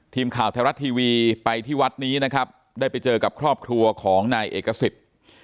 ทีมข่าวไทยรัฐทีวีไปที่วัดนี้นะครับได้ไปเจอกับครอบครัวของนายเอกสิทธิ์